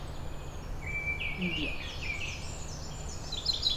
India